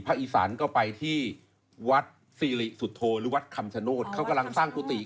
อีสานก็ไปที่วัดสิริสุทธโธหรือวัดคำชโนธเขากำลังสร้างกุฏิ